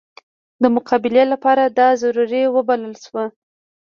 د مقابلې لپاره دا ضروري وبلله شوه.